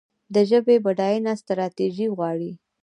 د ژبې بډاینه ستراتیژي غواړي.